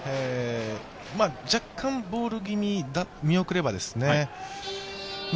若干ボール気味、見送ればですね。